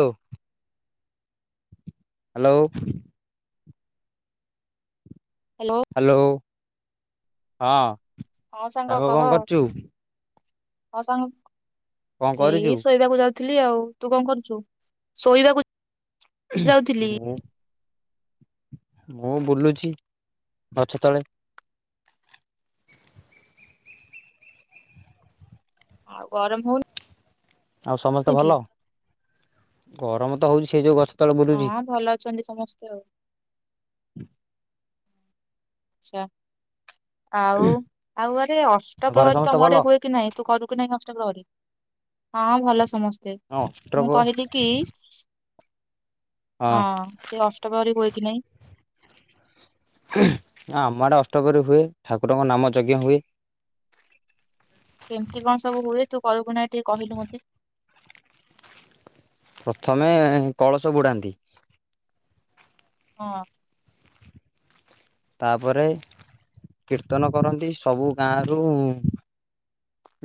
ଆଉ hello. Hello hello. [inaudible] ହଁ। ହଁ ସାଙ୍ଗ କହ କଣ କରୁଚୁ। ହଁ ସାଙ୍ଗ କରୁଛୁ? ଏଇ ଶୋଇବାକୁ ଯା ଥିଲି ଆଉ ତୁ କଣ କରୁଚୁ। ଶୋଇବାକୁ ଯାଉଥିଲି ହୁଁ। [inaudible] ମୁଁ ବୁଲୁଛି ଗଛ ତଳେ। [inaudible] ଆଉ ଗରମ ହଉ ଆଉ ସମସ୍ତେ ଭଲ। [inaudible] ଗରମ ହଉ ସେ ଯୋଉ ଗ ହଁ ଭଲ ଅଛନ୍ତି ସମସ୍ତେ ଆଉ। [inaudible] ଆଚ୍ଛା। ଆଉ ଆଉ ଆରେ ଘରେ ଅଷ୍ଟପ୍ରହରୀ ସମସ୍ତେ ତମ ଭଲ ଆଡେ ହୁଏ କି ନାହିଁ। ତୁ କରୁ କି ନାହିଁ। ଅ ଷ୍ଟପ୍ରହରି ହଁ ଭଲ ସମସ୍ତେ। ହଁ ଅଷ୍ଟପ ମୁଁ ହଁ କହିଲି କି [inaudible] ହଁ ସେ ଅଷ୍ଟପ୍ରହରି ହୁ କି ନାହିଁ। [inaudible] ଆମ ଆଡେ ଅଷ୍ଟପ୍ରହରି ହୁଏ। ଠାକୁରଙ୍କ ନାମ ଯଜ୍ଞ ହୁଏ। [inaudible] କେମତି କଣ ସବୁ ହୁଏ। ତୁ କରୁକି ନାହିଁ ଟିକେ କହିଲୁ ମତେ। [inaudible] ପ୍ରଥମେ କଳସ ବୁଡାନ୍ତି। ହଁ। [inaudible] ତାପରେ କୀର୍ତ୍ତନ କରନ୍ତି। ସବୁ ଗାଁ ରୁ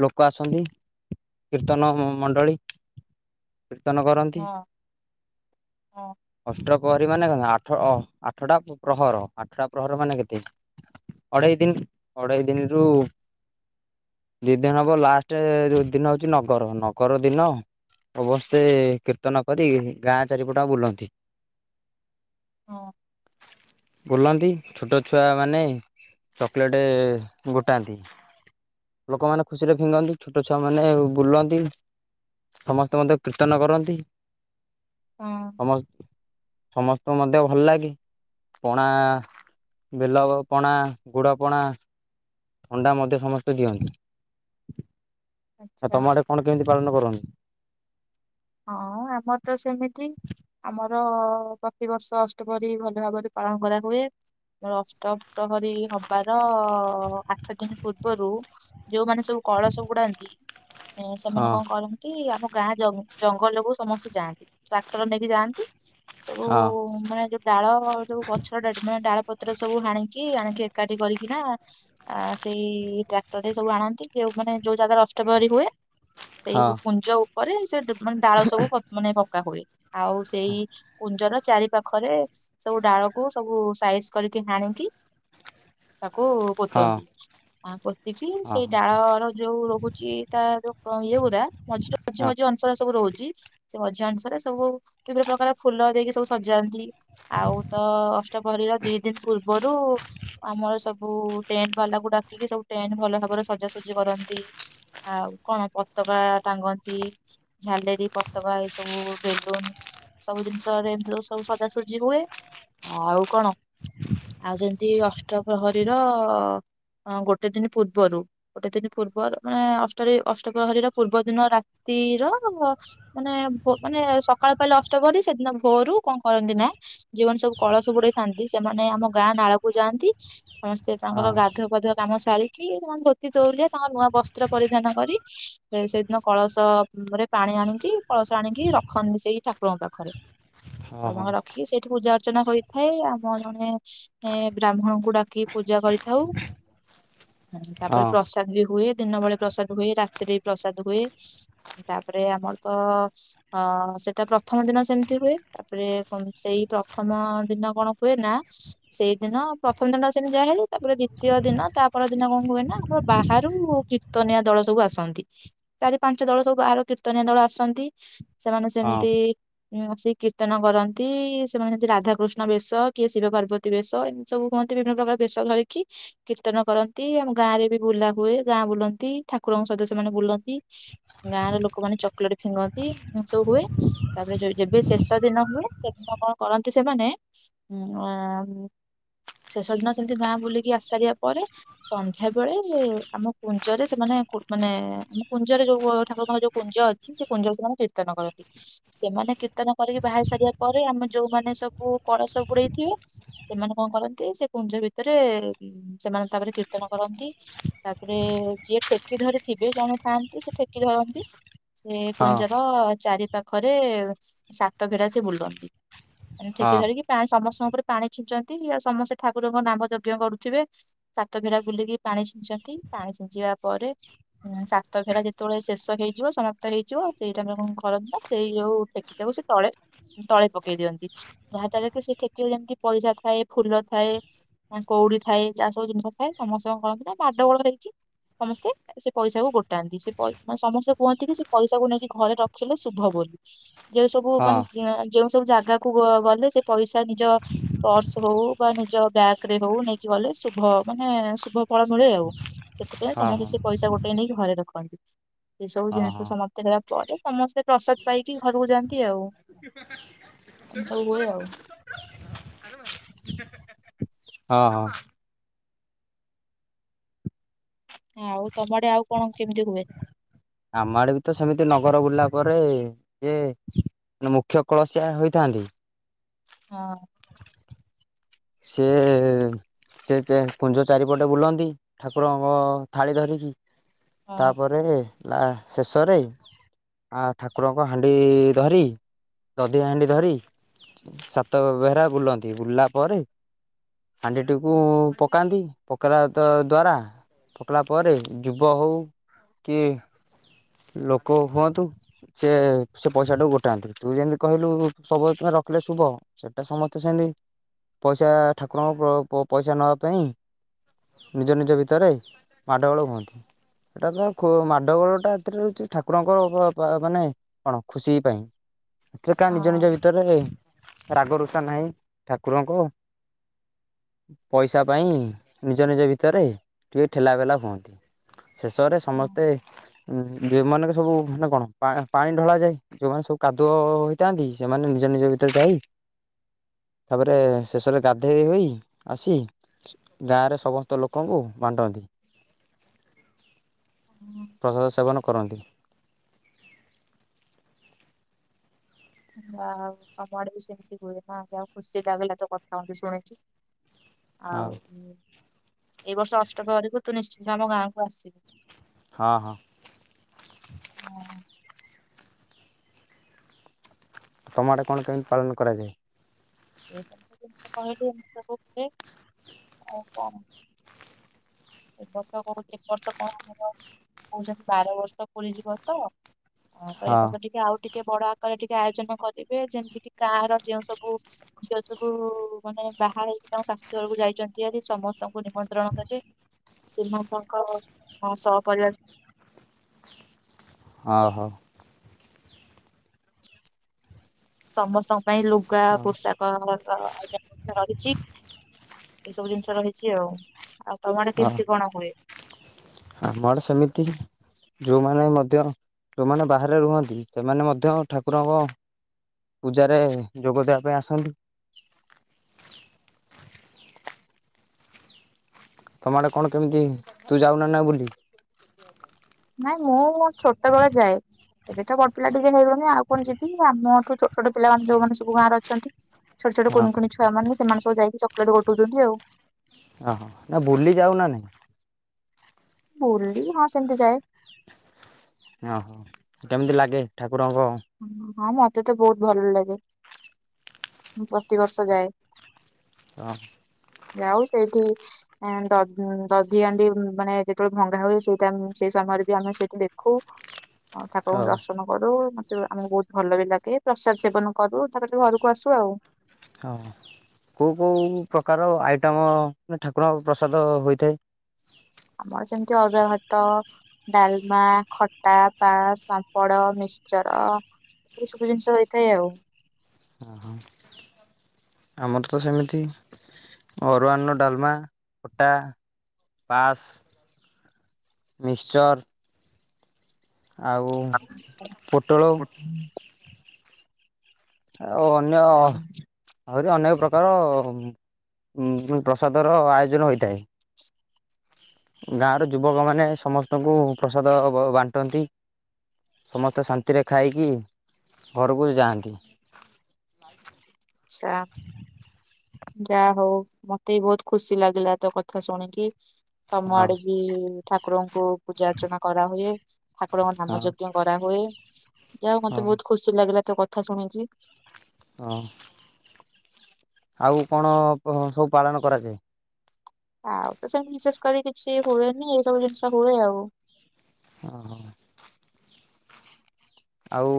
ଲୋକ ଆସନ୍ତି କୀର୍ତ୍ତନ ମଣ୍ଡଳୀ [inaudible] କୀର୍ତ୍ତନ କରନ୍ତି। ହଁ ହଁ [inaudible] ପ୍ରହରୀ ମାନେ ଆଠ ଆଠଟା ପ୍ରହର ଆଠଟା ପ୍ରହର ମାନେ କେତେ ଅଢେଇ ଦିନ। ଅଢେଇ ଦିନରୁ [inaudible] ଦି ଦିନ ହବ ଲାଷ୍ଟ ଦିନ ହଉଛି। ନଗର ନଗର ଦିନ ଅବଶେ କୀର୍ତ୍ତନ କରି ଗାଁ ଚାରିପଟ ବୁଲନ୍ତି। [inaudible] [inaudible] ହଁ ବୁଲନ୍ତି। ଛୋଟ ଛୁଆମାନେ ଚକୋଲେଟ୍ ଗୋଟାନ୍ତି। ଲୋକମାନେ ଖୁସିରେ ଫିଙ୍ଗନ୍ତି ଛୋଟ ଛୁଆମାନେ ବୁଲନ୍ତି। [inaudible] ସମସ୍ତେ ମଧ୍ୟ କୀର୍ତ୍ତନ କରନ୍ତି। ହଁ [inaudible] ସମ ସମସ୍ତଙ୍କୁ ମଧ୍ୟ ଭଲ ଲାଗେ ପଣା। ବେଲ ପଣା ଗୁଡ ପଣା। ଥଣ୍ଡା ମଧ୍ୟ ସମସ୍ତେ ଦିଅନ୍ତି। [inaudible] ଆ ଆଚ୍ଛା ତମ ଆଡେ କଣ କେମିତି ପାଳନ କରନ୍ତି। ହଁ ଆମର ତ ସେମିତି ଆମର ପ୍ରତିବର୍ଷ ଅଷ୍ଟପହରୀ ଭଲ ଭାବରେ ପାଳନ କରା ହଏ ଆମର ଅଷ୍ଟପହରୀ ହବାର ଆଠ ଦିନ ପୂର୍ବରୁ ଯୋଉମାନେ ସବୁ କଳସ ବୁଡ଼ାନ୍ତି ଏ ହଁ ସେମାନେ କଣ କରନ୍ତି ଆମ କାହା ଜମ ଜଙ୍ଗଲକୁ ସମସ୍ତେ ଯାଆନ୍ତି ଟ୍ରାକ୍ଟର ନେଇକି ଯାଆନ୍ତି ସବୁ ହଁ ମାନେ ଯୋ ଡାଳ ଯୋଉ ଗଛ ଡେଡ୍ ମେଣ୍ଟ ମାନେ ଡାଳ ପତ୍ର ସବୁ ହାଣିକି ଆଣିକି ଏକାଠି କରିକିନା ସେଇ ଟ୍ରାକ୍ଟର ରେ ସବୁ ଆଣନ୍ତି ଯଉ ମାନେ ଯୋଉ ଜାଗାରେ ଅଷ୍ଟ ପହରି ହୁଏ। ସେଇ ପୁଞ୍ଜ ଉପରେ ସେ ମାନେ ଡାଳ ସବୁ ମାନେ ପକା ହୁଏ ଆଉ ସେଇ କୁଞ୍ଜର ଚାରି ପାଖରେ ସବୁ ଡାଳକୁ ସବୁ ସାଇଜ କରିକି ହାଣିକି ତା କୁ ହଁ ପୋତନ୍ତି ଆ ପୋତିକି ହଁ ସେଇ ଡାଳର ଯୋଉ ରହୁଛି ତା ଯୋଉ କଣ ଇଏ ପୁୁରା ମଝିର ମଝି ହଁ ମ ରହୁଛି ସେ ମଝୀ ଅନୁସାରେ ସବୁ ବିଭିନ୍ନ ପ୍ରକାର ଫୁଲ ଦେଇକି ସବୁ ସଜାନ୍ତି ଆଉ ତ ଅଷ୍ଟପହରୀର ଦି ଦିନ ପୂର୍ବରୁ ଆମର ସବୁ ଟେଣ୍ଟ ବାଲାକୁ ଡାକିକି ସବୁ ଟେଣ୍ଟ ଭଲ ଭାବରେ ସଜାସଜି କରନ୍ତି ଆଉ କଣ ପତକା ଟାଙ୍ଗନ୍ତି ଝାଲେର ପତକା ଏ ସବୁ ବେଲୁନ ସବୁ ଜିନିଷରେ ଏମିତି ସବୁ ସଜାସଜି ହୁଏ ଆଉ କଣ ଆଉ ଯେମିତି ଅଷ୍ଟପ୍ରହରୀର ଗୋଟେ ଦିନ ପୂର୍ବରୁ ଗୋଟେ ଦିନ ପୂର୍ବରୁ ମାନେ ଅଷ୍ଟ ଅଷ୍ଟପ୍ରହରୀର ପୂର୍ବ ଦିନ ରାତିର ମାନେ ମାନେ ସକାଳ ପାଇଲେ ଅଷ୍ଟପହରି ସେଦିନ ଭୋରୁ କଣ କରନ୍ତି ନା ଯିଉମାନେ ସବୁ କଳସ ବୁଡ଼େଇଥାନ୍ତି ସେମାନେ ଆମ ଗାଁ ନାଳକୁ ଯାଆନ୍ତି। ସମସ୍ତେ ହଁ ତାଙ୍କର ଗାଧୁପାଧୁଆ କାମ ସାରିକି ତାମାନେ ଧୋତି ତଉଲିଆ ତାଙ୍କ ନୂଆ ବସ୍ତ୍ର ପରିଧାନ କରି ସେଦିନ କଳସରେ ପାଣି ଆଣିକି ପଳସ ଆଣିକି ରଖନ୍ତି ସେଇ ଠାକୁରଙ୍କ ପାଖରେ ହଁ ହଁ ରଖିକି ସେଇଠି ପୂଜା ଅର୍ଚ୍ଚନା କରିଥାଏ ଆମ ଜଣେ ବ୍ରାହ୍ମଣଙ୍କୁ ଡାକି ପୂଜା କରିଥାଉ ହୁଁ ତାପରେ ହଁ ପ୍ରସାଦ ବି ହୁଏ ଦିନ ବେଳେ ପ୍ରସାଦ ହୁଏ ରାତିରେ ବି ପ୍ରସାଦ ହୁଏ ତାପ ତାପରେ ଆମର ତ ଅ ସେଟା ପ୍ରଥମ ଦିନ ସେମିତି ହୁଏ ତାପରେ ସେଇ ପ୍ରଥମ ଦିନ କଣ କୁଏ ନା ସେଇଦିନ ପ୍ରଥମ ଦିନଟ ସେମିତି ଯାହାହଲେ ତାପରେ ଦ୍ଵିତୀୟ ଦିନ ତାପ ଦିନ କଣ ହୁଏ ନା ଆମର ବାହାରୁ କୀର୍ତ୍ତନିଆ ଦଳ ସବୁ ଆସନ୍ତି ଚାରି ପାଞ୍ଚ ଦଳ ସବୁ ବାହାରୁ କୀର୍ତ୍ତ କୀର୍ତ୍ତନିଆ ଦଳ ଆସନ୍ତି ସେମାନେ ହଁ ସେମିତି ସେ କୀର୍ତ୍ତନ କରନ୍ତି ସେମାନେ ଯେମତି ରାଧାକୃଷ୍ଣ ବେଶ କିଏ ଶିବ ପାର୍ବତୀ ବେଶ ଏମିତି ସବୁ ହୁହନ୍ତି ବିଭିନ୍ନ ପ୍ରକାର ବେଶ ଧରିକି କୀର୍ତ୍ତନ କରନ୍ତି ଆମ ଗାଁ ରେ ବି ବୁଲା ହୁଏ ଗାଁ ବୁଲନ୍ତି ଠାକୁରଙ୍କ ସହିତ ସେମାନେ ବୁଲନ୍ତି ଗାଁର ଲୋକ ଲୋକମାନେ ଚକୋଲେଟ ଫିଙ୍ଗନ୍ତି ସବୁ ହୁଏ ତାପରେ ଯେବେ ଶେଷ ଦିନ ହୁଏ ସେଦିନ କଣ କରନ୍ତି ସେମାନେ ଉ ଶେଷ ଦିନ ସେମିତି ଗାଁ ବୁଲିକି ଆସାରିବା ପରେ ସନ୍ଧ୍ୟା ବେଳେ ଆମ କୁଞ୍ଜରେ ସେମାନେ ମାନେ ଆମ କୁଞ୍ଜରେ ଯୋଉ ଠାକୁରଙ୍କ ଯୋଉ କୁଞ୍ଜ ଅଛି ସେ କୁଞ୍ଜ ସେମାନେ କୀର୍ତ୍ତନ କରନ୍ତି ସେମାନେ କୀର୍ତ୍ତନ କରିକି ବାହାରି ସାରିବା ପରେ ଆମ ଯୋଉମାନେ ସବୁ କଳସ ବୁଡ଼େଇଥିବେ ସେମାନେ କଣ କରନ୍ତି ସେ କୁଞ୍ଜ ଭିତରେ ସେମାନେ ତାପରେ କୀର୍ତ୍ତନ କରନ୍ତି ତାପରେ ଯିଏ ଠେକି ଧରି ଥିବେ ଯେଉମାନେ ଥାଆନ୍ତି ସେ ଠେକି ଧରନ୍ତି। ସେ ହଁ କୁଞ୍ଜର ଚାରୀ ପାଖରେ ସାତ ଭେରା ସେ ବୁଲନ୍ତି ମାନେ ହଁ ଠେକି ଧରିକି ପାୟ ସମସ୍ତଙ୍କୁ ଉପରେ ପାଣି ଛିଞ୍ଚନ୍ତି ଆଉ ସମସ୍ତେ ଠାକୁରଙ୍କ ନାମ ଯଜ୍ଞ କରୁଥିବେ ସାତଭେରା ବୁଲିକି ପାଣି ଛିଞ୍ଚନ୍ତି ପାଣି ଛିଞ୍ଚିବା ପରେ ସାତଭେରା ଯେତେବେଳେ ଶେଷ ହେଇ ଯିବ ସମାପ୍ତ ହେଇଯିବ ସେଇ ଟାଇମ୍ ରେ କଣ କରନ୍ତି ନା ସେଇ ଯୋଉ ଠେକି ଟାକୁ ସେ ତଳେ ତଳେ ପକେଇ ଦିଅନ୍ତି ଯାହା ଦ୍ଵାରା କି ସେ ଠେକିରେ ଯେମିତି ପଇସା ଥାଏ ଫୁଲ ଥାଏ କଉଡି ଥାଏ ଯାହା ସବୁ ଜିନିଷ ଥାଏ ସମସ୍ତେ କଣ କରନ୍ତି ନା ମାଡ଼ାଗୋଳ ହେଇକି ସମସ୍ତେ ସେ ପଇସାକୁ ଗୋଟାନ୍ତି ସେ ପଇ ସମସ୍ତେ କୁହନ୍ତି କି ସେ ପଇସାକୁ ନେଇକି ଘରେ ରଖିଲେ ଶୁଭ ବୋଲି ଯେଉଁ ସବୁ ମାନେ ହଁ ଯେଉଁ ସବୁ ଜାଗ ଆଗାକୁ ଗଲେ ସେ ପଇସା ନିଜ ପର୍ସ ହଉ ବା ନିଜ ବ୍ୟାଗରେ ହଉ ନେଇକି ଗଲେ ଶୁଭ ମାନେ ଶୁଭ ଫଳ ମିଳେ ଆଉ ସେଥିପାଇଁ ହଁ ସମସ୍ତେ ହଁ ସେ ପଇସା ଗୋଟେ ନେଇକ ଘରେ ଦେଖନ୍ତି ଏ ସବୁ ହଁ ଜିନିଷ ସମସ୍ତେ ପରେ ସମସ୍ତେ ପ୍ରସାଦ ପାଇକି ଘରକୁ ଯାଆନ୍ତି ଆଉ ଏମ ସବୁ ହୁଏ ଆଉ ହଁ ହଁ ହଁ ଆଉ ତମ ଟେ ଆଉ କଣ କେମିତି ହୁଏ ଆମ ଆଡେ ବି ତ ସେମିତି ନଗର ବୁିଲିଲା ପରେ ଯିଏ ମୁଖ୍ୟ କଳସିଆ ହୋଇଥାନ୍ତି। ହଁ ସିଏ ସେ କୁଞ୍ଜ ଚାରିପଟେ ବୁଲନ୍ତି ଠାକୁରଙ୍କ ଥାଳି ଧରିକି ହଁ ତାପରେ ଶେଷରେ ଠାକୁରଙ୍କ ହାଣ୍ଡି ଧରି ଦଧିଆ ହାଣ୍ଡି ଧରି ସାତ ଭେରା ବୁଲନ୍ତି ବୁଲିଲା ପରେ ହାଣ୍ଡିଟିକୁ ପକାନ୍ତି ପକେଇଲା ତ ଦ୍ଵାରା ପକେଇଲା ପରେ ଯୁବ ହଉ କି ଲୋକ ହୁଅନ୍ତୁ ସେ ସେ ପଇସାଟାକୁ ଗୋଟାନ୍ତି ତୁ ଯେମିତି କହିଲୁ ସବୁ ରଖିଲେ ଶୁଭ ସେଇଟା ସମସ୍ତେ ସେମିତି ପଇସା ଠାକୁରଙ୍କ ପଇସା ନବା ପାଇଁ ନିଜ ନିଜ ଭିତରେ ମାଡ଼ଗୋଳ ହୁଅନ୍ତି ସେଟା ତ ମାଡ଼ଗୋଳଟା ଏଥିରେ ରହୁଛି ଠାକୁରଙ୍କର ମାନେ କଣ ଖୁସି ପାଇଁ ସେଥିରେ କା ହଁ ନିଜ ନିଜ ଭିତରେ ହୁଏ। ରାଗରୁଷା ନାହିଁ ଠାକୁରଙ୍କ ପଇସା ପାଇଁ ନିଜ ନିଜ ଭିତରେ ଟିକେ ଠେଲା ପେଲା ହୁଅନ୍ତି। ଶେଷରେ ସମସ୍ତେ ହୁଁ ଯେଉଁ ମାନଙ୍କୁ ସବୁ ମାନେ କଣ ପାଣି ଢଳାଯାଏ ଯେଉଁମାନେ ସବୁ କାଦୁଅ ହୋଇଥାନ୍ତି ସେମାନେ ନିଜ ନିଜ ଭିତରେ ଯାଇ ତାପରେ ଶେଷରେ ଗାଧୋଇ ହୋଇ ଆସି ଗାଁରେ ସମସ୍ତ ଲୋକଙ୍କୁ ବାଣ୍ଟନ୍ତି। ହଁ। ପ୍ରସାଦ ସେବନ କରନ୍ତି। ଯାହାହୋଉ ଆମ ଆଡେ ବି ସେମିତି ହୁଏ ଯାହା ହୋଉ ଖୁସି ଲାଗିଲ ତୋ କଥା ମତେ ଶୁଣିକି ହଁ ଆଉ ଏ ବର୍ଷ ଅଷ୍ଟପ୍ରହରି ତୁ ନିଶ୍ଚିନ୍ତ ଆମ ଗାଁକୁ ଆସିବୁ। ହଁ ହଁ ହଁ ତମ ଆଡେ କଣ କେମିତି ପାଳନ କରାଯାଏ। ଏ ସବୁ ଜିନିଷ କହିଲି ଏମିତି ସବୁ ହୁଏ ଆଉ କଣ ଏ ବର୍ଷ ଏ ବର୍ଷ କହୁଛି କଣର କହୁଛନ୍ତି ବାର ବର୍ଷ ପୁରି ଯିବ ତ ହଁ ତ ଏ ହଁ ବର୍ଷ ଟିକେ ଆଉ ଟିକେ ଟିକେ ବଡ ଆକାରରେ ଟିକେ ଆୟୋଜନ କରିବେ ଯେମିତି କିି ଗାଁର ଝିଅ ସବୁ ଝିଅ ସବୁ ମାନେ ବାହା ହେଇକି ତାଙ୍କ ଶାଶୁ ଘରକୁ ଯାଇଛନ୍ତି ହାରି ସମସ୍ତେ ତାଙ୍କୁ ନିମନ୍ତ୍ରଣ ଦେବେ? ସମସ୍ତଙ୍କର ଶହ ପରିବାର ଅ ହୋ ସମସ୍ତ ନାଇ ଲୁଗା, ପୋଷାକ ହଁ ଆଇଲା ଡରିଚି ଏଇ ସବୁ ଜିନିଷ ରହିଛି ଆଉ, ଆଉ ତମ ଆଡେ କେମିତି କଣ ହୁଏ? ଆମର ସେମିତି, ଯେଉଁମାନେ ମଧ୍ୟ ଯେଉମାନେ ବାହାରେ ରୁହନ୍ତି ସେମାନେ ମଧ୍ୟ ଠାକୁରଙ୍କ ପୂଜାରେ ଯୋଗ ଦେବା ପାଇଁ ଆସନ୍ତି। ତମ ଆଡେ କଣ କେମିତି ତୁ ଯାଉନା ନା ବୋଲି ନାଇଁ ମୁଁ ମୋ ଛୋଟବେଳେ ଯାଏ ଏବେ ତ ବଡ ପିଲା ଟିକେ ହେଇବନି ଆଉ କଣ ଯିବି ଆମଠୁ ଛୋଟ ଛୋଟ ପିଲାମାନେ ଯୋଉମାନେ ସବୁ ଗାଁରେ ଅଛନ୍ତି। ଛଟ ଛୋଟ ହଁ କୁଣ ଛୁଆାନମାନେ ଯାଇକି ଚକଲେଟ ଗଟଉଛନ୍ତି ଆଉ ଓହୋ ନା ବୁଲି ଯାଉ ନା ନାଇଁ ବଲଲି ହଁ ସମତି ଯଏ ଓହୋ କେମିତି ଲାଗେ ଠାକୁ ରଙ୍ଗ ହଁ ମତେ ତ ବହୁତ ଭଲ ଲାଗେ ମୁଁ ପ୍ରତିବର୍ଷ ଯାଏ ହଁ ଯାଉ ସେଇଠି ଦଧି ଆଣ୍ଡି ମାନେ ଯେତେବେଳେ ଭଙ୍ଗା ହୁଏ ସେଟ ସେଇ ସମୟରେ ବି ଆମେ ସେଇଠି ଦେଖୁ ହଁ ଠାକୁରଙ୍କୁ ହଁ ଦର୍ଶନ କରୁ ଆମକୁ ବହୁତ ଭଲ ବି ଲାଗେ ପ୍ରସାଦ ସେବନ କରୁ ତାପ ଘରକୁ ଆସୁ ଆଉ ହଁ କେଉଁ କେଉଁ ପ୍ରକାର ଆଇଟମ୍ ମାନେ ଠାକୁରଙ୍କ ପ୍ରସାଦ ହୋଇଥାଏ। ଆମର ସେମିତି ଅରୁଆ ଭାତ ଡାଲମା ଖଟା ପାସ୍ ପାମ୍ପଡ ମିକଚର ଏ ସବୁ ଜିନିଷ ହେଇଥାଏ ଆଉ ହଁ ହଁ ଆମର ତ ସେମିତି ଅରୁଆନ୍ନ ଡାଲମା ଅଟା ପାସ୍ ମିକ୍ସଚର୍ ଆଉ ପୋଟଳ ଆଉ ଅନ୍ୟ ଆଚ୍ଛା ଆହୁରି ଅନେକ ପ୍ରକାର ପ୍ରସାଦର ଆୟୋଜନ ହୋଇଥାଏ। ଗାଁର ଯୁବକମାନୋନେ ସମସ୍ତଙ୍କୁ ପ୍ରସାଦ ବାଣ୍ଟନ୍ତି ସମସ୍ତେ ଶାନ୍ତିରେ ଖାଇକି ଘରକୁ ଯାଆନ୍ତି। ଆଛା ଯାହା ହଉ ମତେ ବି ବହୁତ ଖୁସି ଲାଗିଲା ତୋ କଥା ଶୁଣିକି ହଁ କମାଡ଼ ବି ଠାକୁରଙ୍କୁ ପୂଜା ଅର୍ଚ୍ଚନା କରାହୁଏ ଠାକୁରଙ୍କ ନାମ ହଁ ଯଜ୍ଞ କରାହୁୁଏ ଯା ହଁ ମତେ ବହୁତ ଖୁସି ଲାଗିଲା ତ କଥା ଶୁଣିଛି ହଁ ଆଉ କଣ ସବୁ ପାଳନ କରାଯାଏ। ଆଉ ତ ସେ ବିଶେଷ କରି କିଛି ହୁଏନି ଏସବୁ ଜିନିଷ ହୁଏ ଆଉ। ଓ ହୋ। ଆଉ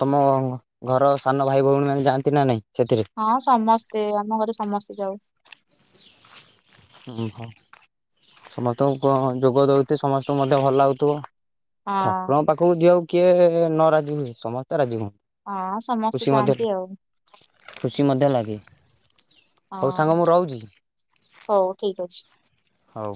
ତମ ଘର ସାନ ଭାଇ ଭଉଣୀ ମାନେ ଯାଆନ୍ତି ନା ନାଇଁ। ସେଥିରେ ହଁ ସମସ୍ତେ ଆମ ଘରେ ସମସ୍ତେ ଯାାଉ। ଓହୋ। ସମସ୍ତଙ୍କୁ କଣ ଯୋଗ ଦଉଛି ସମସ୍ତଙ୍କୁ ମଧ୍ୟ ଭଲ ଲାଗୁଥିବ। ହଁ ଠାକୁରଙ୍କ ପାଖକୁ ଯିବାକୁ କିଏ ନ ରାଜି ହୁଏ ସମସ୍ତେ ରାଜି ହୁଅନ୍ତି। ହଁ ସମସ୍ତେ ଖୁସି ମଧ୍ୟ ଯାଆନ୍ତି ଆଉ ଖୁସି ମଧ୍ୟ ଲାଗେ ହଉ ହଁ। ସାଙ୍ଗ ମୁଁ ରହୁଛି। ହଉ ଠିକ୍ ଅଛି। ହଉ।